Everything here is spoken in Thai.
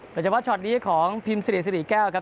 โดยเฉพาะช็อตนี้ของพิมพ์สิริสิริแก้วครับ